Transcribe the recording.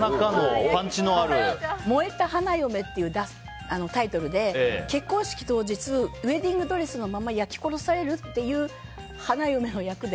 「燃えた花嫁」っていうタイトルで結婚式当日ウェディングドレスのまま焼き殺されるという花嫁の役で。